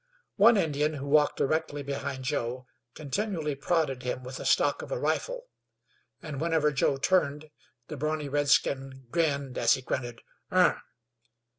One Indian, who walked directly behind Joe, continually prodded him with the stock of a rifle; and whenever Joe turned, the brawny redskin grinned as he grunted, "Ugh!"